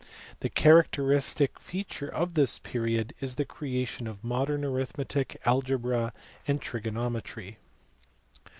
The characteristic feature of this period is the creation of modern arithmetic, algebra, and trigonometry.